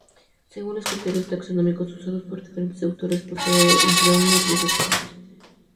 Según los criterios taxonómicos usados por diferentes autores posee entre una y tres especies.